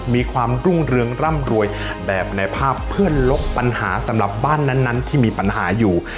มีความรุ่งเรืองร่ำรวยแบบในภาพเพื่อลบปัญหาสำหรับบ้านนั้นที่มีปัญหาอยู่